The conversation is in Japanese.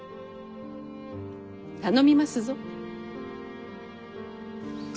頼みますぞ。